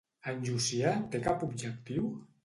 En Llucià té cap objectiu?